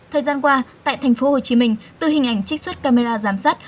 thời gian qua tại thành phố hồ chí minh từ hình ảnh trích xuất camera giám sát